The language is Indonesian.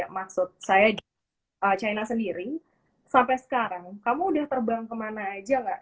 maksud saya di china sendiri sampai sekarang kamu udah terbang kemana aja gak